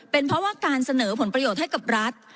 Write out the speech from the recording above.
เป็นเพราะว่าการเสนอผลประโยชน์ให้กับรัฐ